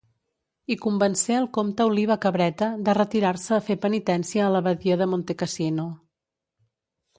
Hi convencé el comte Oliba Cabreta de retirar-se a fer penitència a l'Abadia de Montecassino.